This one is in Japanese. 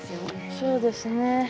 そうですね。